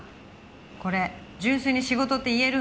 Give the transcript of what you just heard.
これ純粋に仕事って言えるの？